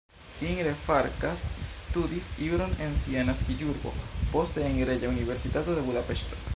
Imre Farkas studis juron en sia naskiĝurbo, poste en Reĝa Universitato de Budapeŝto.